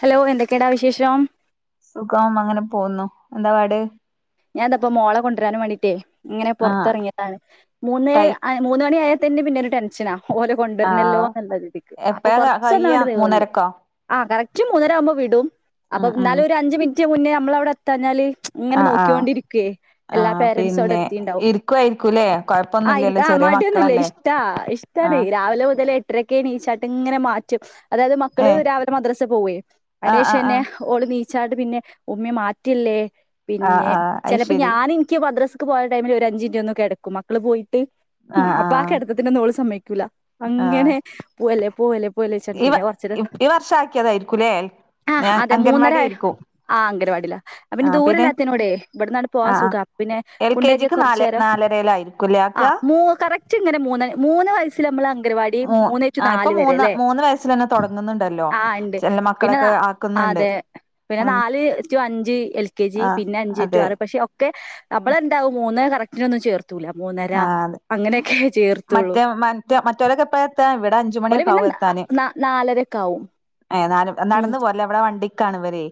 Hello എന്തൊക്കെടാ വിശേഷം സുഖാ അങ്ങനെ പോവുന്നു എന്താപാട്. ഞാൻ ന്തപ്പൊ മോളെ കൊണ്ടരാനും വാണ്ടീട്ടെ ഇങ്ങനെ ആഹ് പൊറത്തറങ്ങിയതാണ് മൂന്നേ ടൈ അ മൂന്നണിയാ തന്നെ പിന്നെരു ടെൻഷനാ ഓലെ കൊണ്ടര്ന്നല്ലോ ആഹ് ഇന്ന്ള്ള രിതിക്ക് അപ്പൊ എപ്പഴാ കയ്യാ കൊർച്ചൊന്നാണ്ട് നീണ്ട് മൂന്നരക്കോ അ കറക്റ്റ് മൂന്നര ആവുമ്പോ വിടും അപ്പൊ ഉം ഉം ഇന്നാല് ഒരു അഞ്ച് മിനിറ്റ് മുന്നേ നമ്മളവിടെ എത്താഞ്ഞാല് ഇങ്ങനെ നോ ആഹ് ആഹ് ക്കിയോണ്ടിരിക്കേ എല്ലാ ആഹ് പേരൻസും അവിടെ പിന്നെ എത്തീണ്ടാവും ഇരിക്കുവായിരിക്കൂല്ലേ ആ കൊഴപ്പൊന്നുല്ലല്ലോ ആ ചെറിയ മടിയൊന്നുല്ല മക്കളല്ലേ ഇഷ് ഷ്ടാ ഇഷ്ടാണെ ആഹ് രാവിലെ മുതലെ എ ട്ടരെക്കെ എണീച്ചാട്ട് ഇങ്ങനെ മാറ്റും അതായത് മക്കള് ഏഹ് രാവിലെ മദ്രസെ പോവേ അയിനു ആഹ് ആഹ് ശേഷന്നെ ആഹ് ഓള് നീച്ചാണ്ട് പിന്നെ ഉമ്മി മാറ്റല്ലേ ആഹ് ആഹ് അഐശരി ന്ന ഇന്ക് മദ്രസ്ക്ക് പോയ ടൈമില് ഒരു അഞ്ചിൻറ്റ് ഒന്ന് കെടക്കും മക്കള് പോയിട്ട് ആഹ് അപ്പ ആ ആഹ് കെടത്തത്തിനൊന്നും ഓള് സമ്മയ്ക്കൂല അങ്ങനെ പോവല്ലേ പോവല്ലേ പോവല്ലേച്ചാണ്ട് ഇവ പിന്നെ ഈ വർഷാക്കിയതായിരിക്കൂല്ലേ ആഹ് അതെ മൂന്നര ആ് അംഗനവാടില അപിന്നെ ആഹ് പിന്നെ ദൂരെല്ലാത്തിനോടെ ഇവിട്ന്നാണ്ട് പോവാം ആഹ് ആഹ് സുഖാ പിന്നെ എൽ കെ കുണ്ടാക്കിയ ജിക്ക് നാല് കൊറചേരം നാലരയിലായിരിക്കുംല്ലേ ആക്കാ മൂ കറക്റ്റ് ഇങ്ങനെ മൂന്നണി മൂന്ന് വയ സില് നമ്മള് അംഗവാടി മൂ മൂന്നേറ്റു ആ ഇപ്പൊ നാല് വരെ മൂന്ന് അല്ലേ മൂന്ന് വയസ്സിലന്നെ തൊടങ്ങുന്നുണ്ടല്ലോ ആ ഇണ്ട് ചെല പിന്നെ നാ മക്കളൊക്കെ ആക്കുന്നുണ്ട് അതെ പിന്നെ നാല് റ്റു അഞ്ച് എൽ കെ ജി ആ പിന്നെ അഞ്ച് റ്റു അതെ ആറ് പക്ഷെ ഒക്കെ നബളെന്താവും മൂന്ന് കറക്റ്റിനൊന്നും ചേർ ത്തുല മൂന്നര ആ അതെ അങ്ങനൊക്കെ ചേർത്തൊള്ളു മറ്റേ മറ്റേ മറ്റോലൊക്കെ എപ്പഴാ എത്താ ഇവിടെ അഞ്ച് ഓല് മണിയൊക്കെ പിന്നെ ന ന നാലരക്കാവും ഏതാലും നടന്ന് പോരലാ ഇവിടെ വണ്ടിക്കാണ് ഇവര്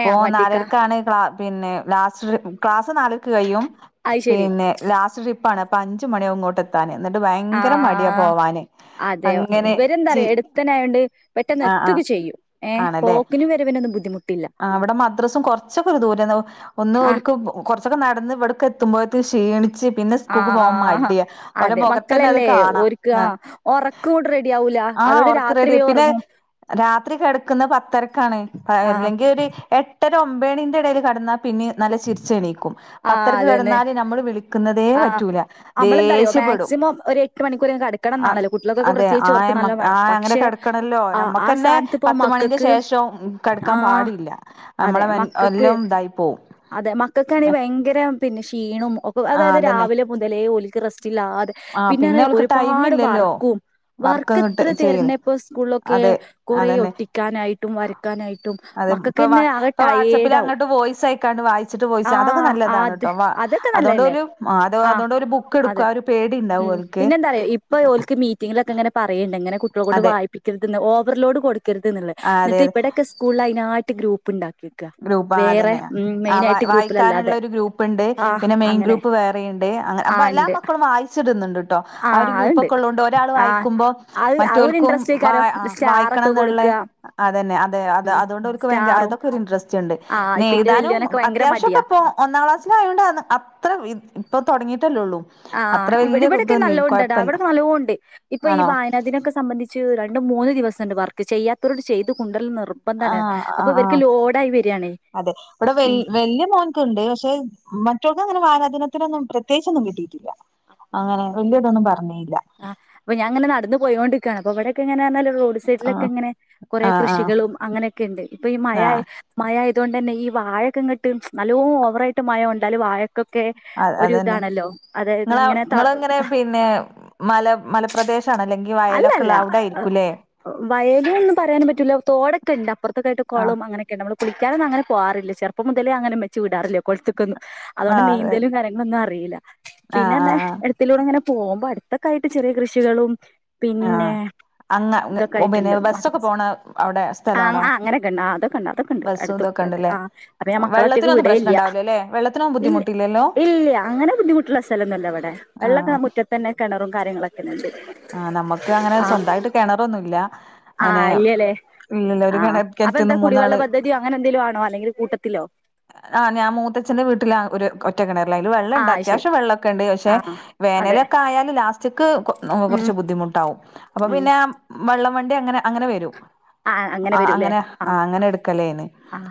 ഏ വണ്ടിക്കാ നാലരക്കാണ് ക്ലാ പിന്നെ ലാസ്റ്റ് ക്ലാസ്സ് നാലരക്ക് കഴിയും അത് ശരി പിന്നെ ലാസ്റ്റ് ട്രി പ്പാണ് അഞ്ച് മണിവും ഇങ്ങോട്ട് എ ത്താന് ഇന്നട്ട് ആ ഭയങ്കര മടിയാ പോവാന് അതെ അങ്ങനെ ഇവരെന്താ ചി പറയാ എടുത്തനായോണ്ട് പെട്ടെന്ന് ആ ആ എത്തൊക്കെ ചെയ്യും ഏ പോക്കിനും വരവിനൊന്നും ബുദ്ധിമുട്ടില്ല ഇവിടെ മദ്രസും കൊർച്ചൊക്കെ ഒരു ദൂരന്നെ ഒന്ന് ആ ഓൽക്ക് കൊർച്ചൊക്കെ നടന്ന് ഇവിട്ക്ക്എത്തുമ്പോത്തിന് ക്ഷീണിച്ച് പിന്നെ സ്കൂക്ക് പോവാം ആഹ് മടിയ ഓല അതെ മുഖത്തന്നെ അത് കാണാന്നാ കൂട് റെഡി ആവൂല അതോണ്ട് രാത്രി വേം ഒറങ്ങും രാത്രി കെടക്കുന്നഅ് പത്തരക്കാണ് ആഹ് അല്ലെങ്കി ഒര് എട്ടര ഒമ്പേണിന്റെ എടേൽ കട്ന്ന പിന്ന് നല്ല ചിരിച്ച് എണീക്കും ആഹ് പത്തരക്ക് അതന്നെ കെടന്നാല് നമ്മള് വിളി ക്ക്ന്നതേ ആഹ് പറ്റൂല അമ്മളെന്താറിയോ ദേഷ്യപ്പെടും മാക്സിമം ഒരു എട്ട് മണിക്കൂറെങ്കിലും അ കെടക്കണംന്നാണല്ലോ കുട്ടികൾക്കൊക്കെ അതെ പ്രത്യേകിച്ച് ഓർക്ക് ആയമ നല്ലോം ആ വേണം അങ്ങനെ പക്ഷെ കെടക്കണല്ലോ ആഹ് ആ നമ്മക്ക്ന്നെ സ്ഥാനത്ത് ഇപ്പോ പത്ത് മണിന്റെ മക്കക്ക് ശേഷം കെട്ക്കാൻ ആഹ് പാടില്ല അതെ നമ്മളെ മക്കക്ക് എല്ലാം ഇതായി പോവും അതെ മക്കക്കാണങ്കി ഭയങ്കരം പിന്നെ ക്ഷീണും ഒക്കെ അതായത് ആഹ് അതന്നെ ന്ന് മുതലേ ഓൽക്ക് റസ്റ്റില്ലാതെ ആഹ് പിന്നെ പിന്നെറിയ അവൾക്ക് ടൈം ഒരുപാട് ഇല്ലല്ലോ വർക്കും വർക്ക് ഇങ്ങട്ട് എത്ര ചെയ്യല് തര്ണപ്പ സ്കൂളിലൊക്കെ അതെ കൊറേ അതന്നെ ഒട്ടിക്കാനായിട്ടും വരക്കാനായിട്ടും മക്കക്ക് ഇപ്പ വ ഇപ്പ വാട്സപ്പില് അങ്ങട്ട് വോയിസ് അയിക്കാണ്ട് വായിച്ചിട്ട് വോയിസ് ആ അതൊക്കെ നല്ലതാണ് അത് ട്ടോ അതൊക്കെ അതോണ്ട് നല്ലതന്നെ ഓല് മാത് ആ അതോണ്ട് ഓല് ബുക്ക് എടുക്കും അതെ പേടി ഉണ്ടാവും ഉം. ഓൽക്ക് പിന്നെന്താറിയൊ ഇപ്പ ഓൽക്ക് മീറ്റിങ്ങിലൊക്കെ ങ്ങനെ പറയ്ണ്ടെങ്ങനെ കുട്ട്യ ളെ കൊണ്ട് അതെ വായ് [unintelligible] ഓവർലോഡ് കൊടുക്കരുത് ന്നുള്ളെ ആഹ് അതെ അതെ ന്നിട്ട് ബടെക്കെ സ്ക്കൂളയ്നായ്ട്ട് ഗ്രൂപ്പ്ണ്ടാക്കി ഗ്രൂപ്പാ അതെന്നെ ആ വ ഗ്രൂപ്പിലല്ലാതെ വായിക്കാനുള്ളൊരു ഗ്രൂപ്പ്ണ്ട് ആ പിന്നെ മെയിൻ അങ്ങനെ ഗ്രൂപ്പ് വേ റേണ്ട് അങ്ങ ആ അപ്പല്ലാ ഉണ്ട് മക്കളും വായിച് ച്ച്‌ട്ന്നുണ്ട്ട്ടോ ആ ഒരു ആഹ് അത്ണ്ട് ഗ്രൂപ്പൊക്കൊള്ളോണ്ട് ഒരാള് ആഹ് വായിക്കുമ്പൊ അത് അത് ഒരു മറ്റോൽക്കും ഇൻട്രസ്റ്റേക്കാരോ [unintelligible] സ്റ്റാറൊക്കെ വായിക്കണം ന്ന്ള്ളെ കൊടുക്കുക അതെന്നെ അതെ അതെ അതുകൊണ്ടോൽക്ക് വയെങ്ക സ്റ്റാറും അതൊക്കൊരിൻട്രസ്റ്റ് ച്ചണ്ട് ആഹ് ഇപ്പിന്റെ ന്നെയ്‌താനും വല്യോനൊക്കെ ഭയങ്കര മടിയാ അത്യാവശ്യൊക്ക പ്പൊ ഒന്നാം ക്ലാസ്സിലായോണ്ടാണ് അത്ര വി പ്പ തൊടങ്ങീട്ടല്ലേള്ളൂ ആഹ് ഇവിടെവിടൊക്കെ നല്ലോൺണ്ടെടാ വടൊക്കെ നല്ലോൺണ്ട് ഇപ്പൊ ഈ ആണോ വായന ദിനൊക്ക സംബന്ധിച് ച്ചു രണ്ട് മൂന്ന് ദിവസംണ്ട് വർക്ക് ചെയ്യാത്തവരോട് ചെയ്ത് കൊണ്ടരല്ല് നിർ ആ ബന്ധാണ് ആ ആ അപ്പൊവര്ക്ക് ലോഡായി വരാണേ ക്കണ്ട് പക്ഷെ മറ്റോൾക്കങ്ങനെ വായനാ ദിനത്തിനൊന്നും പ്രത്യേയിച്ചൊന്നും കിട്ടീക്കില്ല അങ്ങനെ വല്യതൊന്നും പറഞ്ഞീല്ല ആഹ് പ്പ ഞാൻ ങ്ങനെ നടന്ന് പോയോണ്ട്ക്കാണ് അപ്പോ വെടെക്കെങ്ങനർഞ്ഞാല് റോ ഡ് ആഹ് സൈഡിലൊക്കെങ്ങനെ കൊറെ ആഹ് ആഹ് കൃഷികളും അങ്ങനെയൊക്കെണ്ട് ഇപ്പയീ മഴായ് ആഹ് മയായതൊണ്ടെന്നെ ഈ വാഴൊക്കെങ്ങട്ട് സ് നല്ലോം ഓവറായിട്ട് മയൊണ്ടാല് വാഴ കൊക്കെ അത് ഒരു അതന്നെ താണല്ലോ അതായത് ങ്ങനെ തധ ഇന്നേ മല മല പ്രദേശാണല്ലെങ്കി അല്ലല്ല എ അ വയല്ന്ന് പറയാനും പറ്റൂല തോടൊക്കെണ്ട പ്പർത്തൊക്കെയട്ട് ആഹ് കൊളൊം അങ്ങനെക്കെണ്ട് അമ്മള് കുളിക്കാനൊന്നു അങ്ങന പോവാറില്ല ചെർപ്പം മുതലെ അങ്ങനെ മ്മച്ചി വിടാറില്ല കൊൾത്തുക്കൊന്നു അതോണ്ട് ആഹ് അതെ നീന്തലും കാര്യങ്ങള്ളൊന്നു അറീല്ല ആഹ് പിന്നർന്നെ ആഹ് ആഹ് എ ത്തിലൂടെങ്ങനെ പോവുമ്പൊ അടുത്തൊക്കായിട്ട് ചെറിയ കൃഷികളും പിന്നെ ആഹ് അങ്ങ പിന്നെ തൊക്കായിട്ടുണ്ട് ബസ്സൊക്കെ മദ്റസ് പോണ അവിടെ ആ അങ് സ്ഥലാണോ ആ അങ്ങനെക്കെൺ അതൊക്കെണ്ടാ തൊക്കെണ്ട് ബസ്സും അടുത്ത് ഇതൊക്കെ റെയൊക്കെ ഇണ്ട്ല്ലേ ആഹ് അപ്പൊ ഞാ മക്കളൊറ്റക്ക് വെള്ളത്തിനൊന്നും പ്രശ്നം വിടെല്ല്യ ഇണ്ടാവൂലല്ലേ വെള്ളത്തിനൊന്നും ഇല്ല്യ ബുദ്ധിമുട്ടില്ലല്ലോ ഇല്ല്യ അങ്ങനെ ബുദ്ധിമുട്ടുള്ള സലൊന്നുല്ലവടെ ആഹ് വെള്ളൊക്കെ മുറ്റത്തെന്നെ കെണറും കാര്യങ്ങളൊക്കെണ്ട് ആഹ് നമ്മക്ക് അങ്ങനെ സ്വന്തായിട്ട് കെണറൊന്നുല്ല അനെ ആഹ് അപന്താ കുടിവെള്ള മൂന്നാള് പദ്ധതിയോ അങ്ങനെ ന്തേലു ആണോ അല്ലെങ്കിൽ കൂട്ടത്തിലോ? ആഹ് ഞാ മൂത്തച്ഛന്റെ വീട്ടിലാ ഒരു കൊ റ്റ ക്കിണർലയ്ല് ആ വെള്ളണ്ട ശരി ത്യാവശ്യ വെള്ളൊക്കെണ്ട് പക്ഷെ ആ അതെ വേനലൊക്കായാല് ലാസ്റ്റ്ക്ക് കൊ നോ ഉം കൊർച്ച് ബുദ്ധിമുട്ടാവും അപ്പൊ ഉം പിന്നാ വെള്ളം വണ്ടി അങ്ങന അങ്ങന വരും ആഹ് അങ്ങനെ ആ അങ്ങനെ എടുക്കലേനി ആഹ്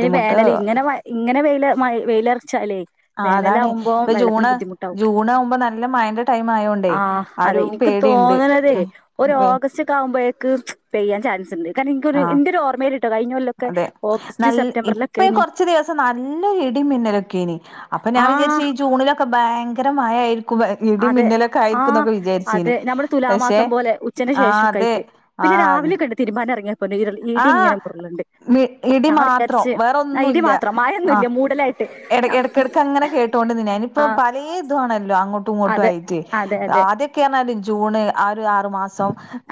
ഈ വേനല് ഇങ്ങനെ മയ ഇങ്ങനെ വെയില് മയ വെയിലർച്ചാലേ വേനലാവുമ്പോ വെൾ ഊണ് ജൂണാവുമ്പോ നല്ല മയന്റെ ടൈമായോണ്ടെ ആഹ് അ അതെ ഇനിക്ക് തോന്ന്ണത് ഒരോഗ ഗസ്റ്റൊക്കാകുമ്പഴേക്ക് പെയ്യാൻ ചാൻസ്ണ്ട് കാരണം ഇൻക്കൊരു ഇന്റൊരു ഓർമെല്ട്ടൊ കയിഞ്ഞൊല്ലൊക്കെ ഓഗസ് നൽ ഇപ്പ ഇ കൊർച്ച് ദിവസം നല്ലൊ ഇടിംമിന്നലൊക്കെനി അപ്പൊ ഞാൻ ആഹ് വിചാരിച്ചീ ജൂണിലൊ ക്ക ഭയങ്കര മയായിര് ക്കുവെ അതെ ഇടിംമിന്നലൊക്കാ യിരിക്കും ആഹ് ന്നൊക്കെ വിചാരിച്ചീനി അതെ നമ്മുടെ പക്ഷെ തുലാമാസം പോലെ ആഹ് തെ ആ ആന്ന് തിരുമ്പാനെങ്ങിയ [unintelligible] ഇടിങ്ങന മുരുള്ണ്ട് വി ഇടി മാത്രൊ വേറൊന്നുല്ല മാത്രം ആ മഴയൊന്നുല്ല മൂടലായിട്ട് എട എടക്കടക്കങ്ങന കേട്ടോണ്ട്ന്നിനി അയ്ന് പ്പൊ ആഹ് പലേതു ആണല്ലോ അങ്ങോട്ടു ങ്ങോട്ടു അതെ ആയിറ്റ് അതെ അതെ ആദ്യൊക്കർഞ്ഞാൽ ജൂണ് ആ ഒരു ആറ്‌ മാസ് സൊ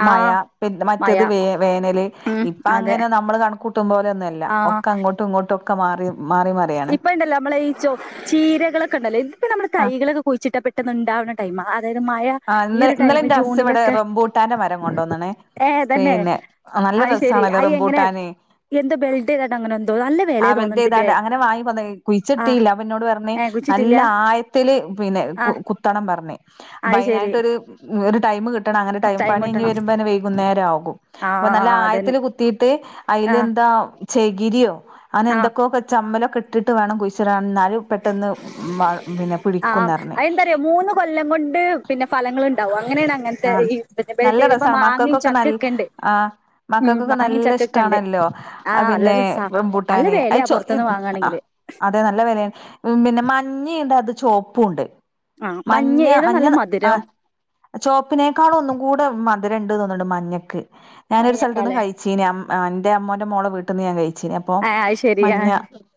മയ ആഹ് പിൻ മഴ മറ്റത് വേ വേനല് ഉം അതെ ഇപ്പങ്ങനെ നമ്മള് കണക്കൂട്ടും പോലെയൊന്നൽ ല്ല ഒക്കങ്ങോട്ടു ങ്ങോട്ടു ഒക്ക മാറിയും ഇപ്പണ്ടല്ലോ അമ്മളെ ഈ ച്ചൊ ചീരകളൊക്കെണ്ടല്ലോ ഇപ്പ നമ്മള് ആഹ് തൈകളൊക കുഴിച്ചിട്ടാ പെട്ടെന്ന്ണ്ടവ്ണ ടൈമാ അ തായത് മയ ആഹ് ഈ ഇന്നലെ ഒരു ഇന്നലെ ടൈമ് എന്റെ ഹസ് ഇവിടെ ജൂണിലൊക്കെ റംബൂട്ടാന്റെ മരം കൊണ്ടോന്ന്ണേ ഏ തെന്നെ പിന്നെ നല്ല അയ് ശെരി രസാണല്ലോ അയി എങ്ങനെ റംബൂട്ടാന് എന്തു [unintelligible] അങ്ങനെന്തൊ അല്ല ആഹ് വൽതേതാണ്ട് അങ്ങനെ വാങ്ങിവന്നേ ആ കുയിച്ചെത്തീല്ല അപ്പ എന്നോട് പറഞ്ഞ് ഏ നല്ല കുഴിച്ചിട്ടില്ല ആയത്തില് പിന്നെ ആ കു കുത്തണം പറഞ്ഞ് അപ്പ അത് ശെരി അയിനായിട്ടൊരു ഒരു ടൈമു കിട്ടണം അങ്ങനെ ടൈം പണി കഴിഞ്ഞ് വരുമ്പ ന്നെ വൈകുന്നേരം ആകും ആ അപ്പൊ നല്ല അതന്നെ ആയത്തില് കുത്തീട്ട് ആ അയിലെന്താ ചെകിരിയോ അനെ ആ എന്തൊക്കെയൊക്കെ ചമ്മലൊക്കെ ഇട്ടിട്ട് വേണം കുഴിച്ച് ഇടാന് പെട്ടെന്ന് പിന്നെ ആ പിടിക്കുന്ന് പറഞ്ഞ് അതെന്താറിയോ മൂന്ന് കൊല്ലം കൊണ്ട് പിന്നെ ഫലങ്ങൾ ഇണ്ടാവും അങ്ങനേണ് ആഹ് നല്ല രസാണ് മക്കക്കൊക്കെ നല് ചക്കൊക്കെ ഉണ്ട് ആഹ് ഉം മക്കക്കൊക്കെ മാങ്ങയും നല്ല ചക്കൊക്കെ ഉണ്ട് ഇഷ്ടാണല്ലോ ആ നല്ല പിന്നെ രസാ നല്ല റെമ്പൂട്ടാനെ ആ വിലയാ ചൊ പുറത്തുന്ന് വാങ്ങാണെങ്കില് അതെ നല്ല വെലയാണ് പിന്നെ മഞ്ഞേണ്ട് അത് ചുവപ്പുണ്ട് ആഹ് മഞ്ഞ ഏതാ മഞ്ഞ നല്ല മധുരം ആഹ് ചോപ്പിനേക്കാളൊന്നും കൂടെ മധുരം ഇണ്ടൂന്ന് തോന്നുന്നു മഞ്ഞക്ക് ഞാനൊരു സ്ഥലത്തുന്ന് മഞ്ഞക്കാലേ കഴി ചീനി എന്റെ അമ്മോന്റെ മോളെ വീട്ടീന്ന് ഞാൻ കഴിച്ചീനി അപ്പൊ മഞ്ഞ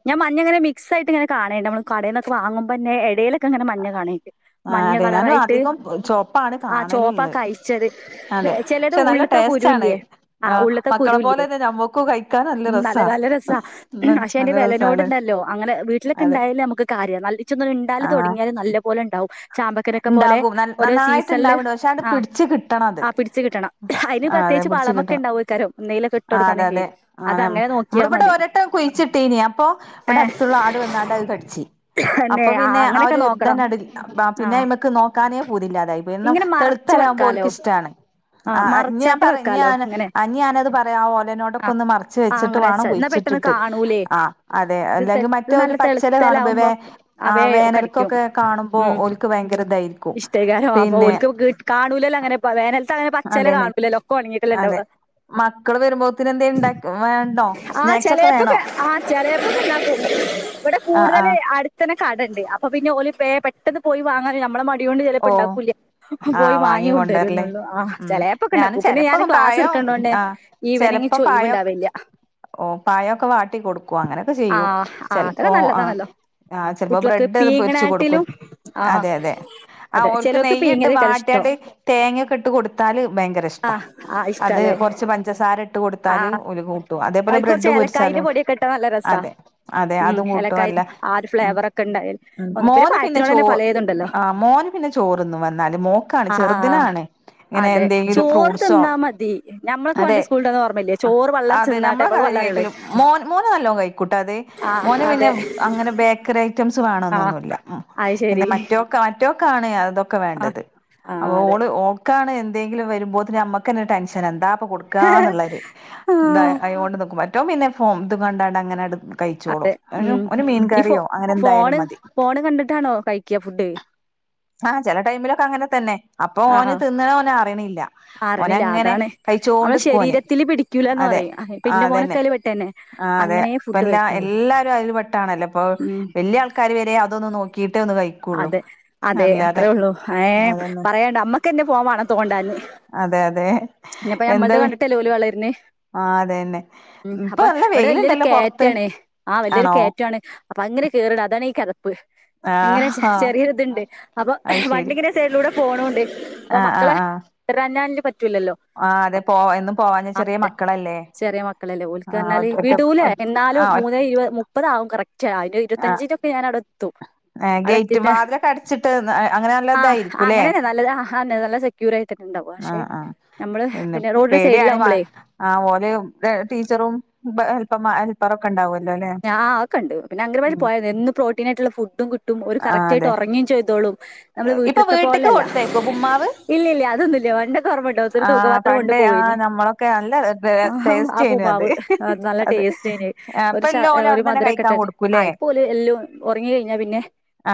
ഞാ മഞ്ഞങ്ങനെ മിക്സായിട്ട് ഇങ്ങനെ കാണേണ്ട് നമ്മള് കടേന്നക്കെ വാങ്ങുമ്പ ന്നെ എടേല് ക്കങ്ങനെ മഞ്ഞ കാണേണ്ട് ആ മഞ്ഞ അതെ ഞാനും കളറായിട്ട് അധികം ചോപ്പാണ് ആ കാണലുള്ളത് ചോപ്പക്കായി ചെറി അതെ ചെലത് പക്ഷെ നല്ല ഉള്ളിത്ത ടേസ്റ്റ് ആണ് കുരുല്യേ ആഹ് ഉള്ളിത്തെ മക്കളെ പോലെ കുരുല്യേ തന്നെ ഞമ്മക്കും കഴിക്കാൻ നല്ല നട് രസാ നല്ല രസാ പക്ഷെ അയ്ൻ്റെ നല്ല രസാണ് വെലനോട്ണ്ടല്ലോ അങ്ങനെ വീട്ടിലൊക്കെ അതെ ഉണ്ടായാല്ലേ നമുക്ക് കാര്യം നൽ ചൊന്ന് ഉണ്ടാല് ആഹ് തുടങ്ങിയാല് നല്ല പോലെ ഉണ്ടാവും ചാമ്പക്കേനൊക്കെ പോലെ ഇണ്ടാകും ഓരോ നന്നായിട്ട് സീസണില് ഇണ്ടാവ്ണ്ട് പക്ഷെ ആണ്ട് ആ പിടിച്ച് കിട്ടണം അത് ആ പിടിച്ച് കിട്ടണം അതിന് ആഹ് അതെ പ്രത്യേകിച്ച് പിടിച്ച് വളമൊക്കെ കിട്ടണം ഉണ്ടാവുംക്കാരം എന്തെയിലൊക്കെ ഇട്ട് ആ അതെ കൊടുക്കാനൊക്കെ അതെ ആ അത് അങ്ങനെ നോക് നമ്മളിവിടെ ഒര്വട്ടം കുഴിച്ചിട്ടീനി അപ്പൊ ഏഹ് ഇവിടടുത്തുള്ള ആട് വന്നാണ്ട് അത് കടിച്ചു തന്നെ അപ്പൊ പിന്നെ ആ അങ്ങനെയൊക്കെ ഒരു നോക്കണം ഇതന്നടിൽ ബാ പിന്നെ ആഹ് അയ്മക്ക് നോക്കാനേ പൂതില്ലാതായിപോയി എന്നും ഇങ്ങനെ മറച്ച് തെളുത്തലാവുമ്പോ വെക്കാലോ ഓൾക്ക്ഷ്ടാണ് ആഹ് ഇനി ഞാൻ മറച്ചാട്ട് പറയും ഇനി വെക്കാലോ ഞാൻ ഇങ്ങനെ ഇനി ഞാനത് പറയാം ആ ഓലേനോടൊക്കെ ആഹ് ഒന്ന് മറച്ച് ആഹ് വെച്ചിട്ട് അങ്ങനെ വേണം വെച്ചാ എന്നാ കുയിച്ചിട് പെട്ടെന്ന് ട്ടിട്ട് കാണൂലേ ആഹ് അതെ ഇത് തെ അല്ലെങ്കിൽ ഇത് മറ്റേ ഒരു നല്ല പച്ചില കാണുമ്പോ വേ തെളുത്തലാവുമ്പോ ആ അവേ വേനൽ കടിക്കും കൊക്കെ കാണുമ്പോ ഉം ഓൽക്ക് ഭയങ്കര ഇതായിരിക്കും പിന്നെ ഗുഡ് കാണൂല്ലല്ലോ അങ്ങനെ പ്പോ വേനൽത്ത് അങ്ങന പച്ചെല അതന്നെ കാണൂലല്ലോ ഒക്കെ ഒണങ്ങിട്ടല്ലെ അതെ ഉണ്ടാവുക മക്കള് വരുമ്പോത്തിന് എന്തേ ഇണ്ടാക്ക വേണ്ടോ ആഹ് സ്നാക്സ് ഒക്കെ വേണോ ചെലേപ്പൊക്കെ ആഹ് ചെലേപ്പൊക്കെ ഇതിനാത്ത് ഇവിടെ ആഹ് കൂടുതൽ ആഹ് അടുത്തന്നെ കടണ്ട് അപ്പൊ പിന്നെ ഓല് പെ പെട്ടെന്ന് പോയി വാങ്ങാൻ ഞമ്മളെ മടി ടി കൊണ്ട് ചെലപ്പോ ഓ ഉണ്ടാക്കൂല്യ പോയി ആഹ് വാങ്ങി വാങ്ങ്യേ കൊണ്ടരല്ലേ കൊണ്ടുവരുന്നുള്ളു ആഹ് ഉം ഞാനും ചിലേപ്പൊക്കെണ്ടാക്കും പിന്നെ ഞാൻ ചെലപ്പം ക്ലാസ് പായം എടുക്കണ്ടോണ്ടേ ആഹ് ഈവനിങ് ചെലപ്പം പായം ചൊവുണ്ടാവില്ല ഓ പയോക്കെ വാട്ടി കൊടുക്കും അങ്ങനെയൊക്കെ ആ ചെയ്യും ആ ചെലപ്പോ അതൊക്കെ ആ നല്ലതാണല്ലോ ആഹ് ചെലപ്പോ കുട്ടികൾക്ക് ബ്രെഡ് ത് പൊരിച്ചു കൊടുക്കും പീങ്ങണാട്ടിലും ആ അതെ അതെ ആ അതെ ഓൽക്ക് ചിലർക്ക് നെയ്യ് ഇട്ട് പീങ്ങതേക്കാരം ഇഷ്ടം വാട്ടിയാട്ട് തേങ്ങൊക്കെ ഇട്ട് കൊടുത് ത്താല് ആ ഭയങ്കരിഷ്ടാ ആ അത് ഇഷ്ടല്ലേ കൊറച്ച് പഞ്ചസാര ട്ട് കൊടുത്താല് ഒരു അയില് കുറച്ച് ഏലക്കായന്റെ പൊടിയൊക്കെ ഇട്ടാ നല്ല രസാ അതെ അതെ ഉം അതും കൂട്ടും ഏലക്കായ അല്ല ആ ഒരു ഉം ഫ്ലേവറൊക് ക്കെണ്ടായേനി ഉം ഒന്ന് പിന്നെ മോന് പയത്തിനോട് ചോ തന്നെ പലയിതുണ്ടല്ലോ ആഹ് മോന് പിന്നെ ചോറ് ന്നും വന്നാല് മോക്കാണ് ആഹ് ചെറുതിനാണ് ഇങ്ങനെ അതെ എന്തെങ്കിലും ചോറ് ഫ്രൂട്ട്സോ തിന്നാമതി ഞമ്മളൊക്കെ പണ്ട് സ്കൂളിന്നു വര്ന്ന ഓർമ്മല്ലേ ചോറ് പള്ളറച്ച് തിന്നാ മ്മളൊക്കെ അതന്നെ കഴിക്കല് മോന് മോന് നല്ലോ കഴിക്കൂട്ട അത് ആഹ് മോന് പിന്നെ അതെ അങ്ങനെ ബേക്കറി ഐ റ്റംസ് ആഹ് വേണോന്നൊന്നുമില്ല അത് പിന്നെ ശരി മറ്റൊവക്ക് മറ്റോക്കാണ് അതൊക് ക്കെ ആഹ് വേണ്ടത് ആഹ് അതെ ഓള് ഓൾക്കാണ് എന്തെിലും വരുമ്പോ അത് ഞമ്മക്കന്നെ ടെൻഷനാ എന്താ കൊടുക്കാന്നുള്ളര് ആഹ് ഇതായോണ്ട് നോക്കും മറ്റോൻ പിന്നെ ഫോ ഇതും കണ്ടോണ്ടങ്ങനെ അടു അതെ ഉം ഈ ഫോ അങ്ങനെ എന്തായാലും ഫോണ് മതി ഫോണ് കണ്ടിട്ടാണോ കഴിക്ക്യ ഫുഡ് ആഹ് ചെല ടൈമിലൊക്കെ അങ്ങനെ തന്നെ അപ്പൊ ഓന് ആഹ് തിന്നണ ഓന അറിയണല്ല അറിണില്ല ഓനങ്ങനെ അതാണ് നമ്മളെ കഴിച്ചോണ്ടിക്കും ഓന് ശരീരത്തില് പിടിക്കൂലന്ന് അതെ പറയും ഇപ്പൊ ആഹ് ഇന്റെ അതേന്നെ മോനൊക്കെ അയില് പെട്ടന്നെ ആ അതെ അങ്ങനെ ഇപ്പ ഫുഡ് എല്ലാ കഴിക്കുള്ളൂ എല്ലാരും അതിൽ പെട്ടാണല്ലോ ഇപ്പൊ ഉം വലിയ ആൾക്കാര് വരെ അതൊന്ന് നോക്കിയിട്ടേ ഒന്ന് കഴി അതെ അതെ അത്രേള്ളൂ ഏ അതന്നെ പറയണ്ട് അമ്മക്ക്ക്കന്നെ ഫോൺവാണം തോണ്ടാന് അതെ അതെ പിന്നപ്പ എന്താ ഞമ്മളത് കണ്ടിട്ടില്ലേ ഓല് വളരുന്നെ ആഹ് അതന്നെ ഉം ഇപ്പൊ അപ്പ നല്ല ഇവിടെ വല്യൊരു വെയിലുണ്ടല്ലോ പൊറത്ത് കേറ്റാണ് ആഹ് വല്യൊരു ആണോ കേറ്റുആണ് അപ്പോ അത്ങ്ങനെ കേറാണ് അതാണ് ഈ കെതപ്പ് ഇങ്ങനെ ആഹ് ആഹ് ചെറിയൊരു ഇതുണ്ട് അപ്പോ അത് ശരി വണ്ടിങ്ങനെ സൈഡിലൂടെ പോണോണ്ട് അപ്പം ആഹ് ആഹ് മക്കളെ ആഹ് [unintelligible] പറ്റൂലല്ലോ ആഹ് അതെ പോവാ എന്നും പോവാഞ്ഞാ ചെറിയ മക്കളല്ലേ മക്കളല്ലെ ഓൽക്ക് ആഹ് പർഞ്ഞാല് ഒറ്റ വിടൂലെ ഒറ്റ എന്നാലും ആഹ് മൂന്നെ ഇരുപത് മു പ്പതാവും കറക്റ്റ് ആ അതിന്റെ ഇരത്തഞ്ചിൻ്റെ മുമ്പ് ഞാനവ്ടെ എ ഏഹ് ഗേറ്റ് വാതിലൊക്കെ അടച്ചിട്ട് അങ്ങനെ നല്ല ആ ഇതായിരിക്കുംല്ലേ അങ്ങനെന്നെ നല്ലത് ആ നല്ല സെക്യൂർ ആയിട്ടന്നെ ഉണ്ടാവും പക്ഷെ ആഹ് ആഹ് നമ്മള് പിന്നെ റോഡിന്റെ പേട്യാണ് ഈ മാ സൈഡിലാവുമ്പളേ ആഹ് ഓല് ടീച്ചറും ബെ ഹെൽപ്പർമാര് [unintelligible] ഉണ്ടാവല്ലോ ല്ലെ ഞാ അതൊക്കണ്ട് പിന്നെ അംഗനവാടില് ഉം പോയാ മതി എന്നും പ്രോ ട്ടീനായ്ട്ട്ള്ള ഫുഡും കിട്ടും ഓര് ആ കറക്റ്റ് ആയിട്ട് അതെ ഒറങ്ങിം ചെയ്തോളും നമ്മള് ഇപ്പൊ വീട്ട്ത്തെ വീട്ട്ക്ക് പോലല്ല കൊടുത്തയക്കോ പുമ്മാവ് ഇല്ലില്ല അതൊന്നുല്ല പണ്ടൊക്കെ ഓർമണ്ട് [unintelligible] ആ തൂക്ക പാത്രം കൊണ്ട് പണ്ട് ആ പോവേനി നമ്മളൊക്കെ നല്ല ആഹ് ആ ടേസ്റ്റേനു അത് പുമാവ് അത്‌ നല്ല അതെ ടേസ്റ്റേന്യത് അപ്പ ഷാ എല്ലാം ഓല് ഒരു അവിടന്നന്നെ കഴിക്കാൻ മധുരൊക്കെട്ടാട്ട് ആ കൊടുക്കൂല്ലേ ഇപ്പോ ഓല് എല്ലും ഒറങ്ങി കഴിഞ്ഞാ പിന്നെ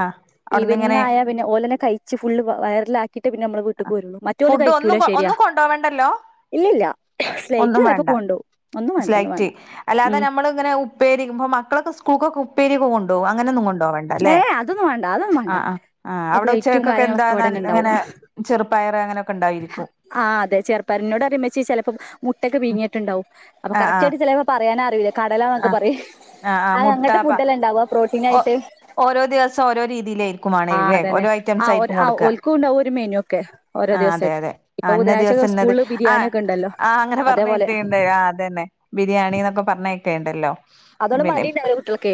ആഹ് അവ്ട്ന്ന് ഈവനിങ് ഇങ്ങനെ ആയാ പിന്നെ ഓലന്നെ കഴിച്ച് ഫുള്ള് വയറിലാ ക്കിയിട്ട് പിന്നെ നമ്മള് വീട്ട്ക്ക് പോരുള്ളൂ മറ്റോല് ഫുഡ് ഒന്നും കഴിക്കൂല ശെരിയാ ഒന്നും കൊണ്ടോവണ്ടല്ലോ ഇല്ലില്ല സ്ലൈറ്റ് ഒന്നും വേണ്ട ചെലേപ്പൊക്കെ കൊണ്ടോവും. ഒന്നും വേണ്ട ഒന്നും വേണ്ട ഉം ങ്ങനെ ഉപ്പേരി മക്കളൊക്കെ സ്കൂൾക്കൊക്കെ ഉപ്പേര്യൊക്കെ കൊണ്ടോവും. അങ്ങനൊന്നും കൊ ണ്ടോവണ്ടല്ലെ ഏ അതൊന്നും വേണ്ട അതൊന്നും വേണ്ട ആഹ് ആഹ് ആഹ് അവിടെ പ്ലേറ്റും ഉച്ചക്കൊക്കെ എന്താ കാര്യങ്ങളൊക്കെ ന ഇവിടെന്നെ ൽ ഉണ്ടാവും ഇങ്ങനെ ചെറുപ്പയർ അങ്ങനൊക്കെ ഉണ്ടായിരിക്കും. ആഹ് ചെർപയറ് ഇന്നോട് പറിം ഉമ്മച്ചി ചെലേപ്പം മുട്ടൊക്കെ പീങ്ങീട്ടുണ്ടാവും അപ്പോ ആ ആ കറക്ടായിട്ട് ചെലേപ്പം പറയാനറ്യൂല്ല ആ കടലാന്നൊക്കെ പറിം. ആ ആ അഹ് മുട്ട അങ്ങൻത്തെ പ ഫുഡല്ലെ ണ്ടാവാ പ്രോട്ടീൻ ഓ ആയിട്ട് ഓരോ ദിവസം ഓരോ രീതിയിലായിരിക്കുംമാണേൽ ആഹ് ല്ലെ അതന്നെ ഓരോ ഐറ്റംസ് ആഹ് ഒരു ആയിരിക്കും ആഹ് കൊടുക്കാ. ഓൽക്കും ഉണ്ടാവും ഒരു മെനു ഒക്കെ ഓരോ ആഹ് അതെ ദിവസായിട്ട് അതെ ഇപ്പൊ ആഹ് ഇന്ന ബുധനാഴ്ച ദിവസം ഇന്നത് സ്കൂളില് ബിരിയാണി ആഹ് ഒക്കെ ഇണ്ടല്ലോ ആഹ് അങ്ങനെ പറഞ്ഞ് അതേപോലെ കേട്ടേണ്ട് ആഹ് അതന്നെ ബിരിയാണി ന്നൊക്കെ പറഞ്ഞേക്കേണ്ടല്ലോ അതോണ്ട് മടിണ്ടാവൂല്ല കുട്ടിയേൾക്കേ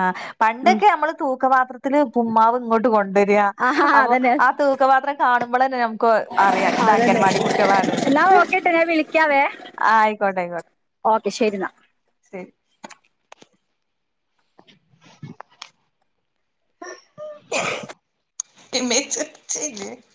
ആഹ് പണ്ടൊക്കെ നമ്മള് തൂക്കപാത്രത്തില്‌ പുമ്മാവ് ഇങ്ങോട്ട് കൊണ്ടൊരാ. ആഹാ അപ്പം അതന്നെ ആ തൂ ക്ക പാത്രം കാണുമ്പളന്നെ നമുക്ക് അറയാ ഇത് അതന്നെ അംഗൻവാടി കുട്ട്യാളാണ്ന്ന് എന്നാ ഓക്കെട്ടോ ഞാൻ വിളിക്കാവേ ആഹ് അയ്ക്കോട്ടെ അയ്ക്കോട്ടെ ഓക്കെ ശരി ന്നാ [inaudible] [unintelligible]